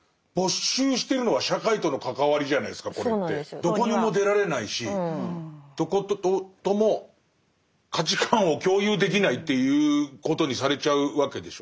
どこにも出られないしどことも価値観を共有できないということにされちゃうわけでしょ。